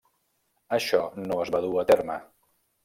Això no es va dur a terme.